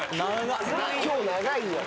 今日長いよ。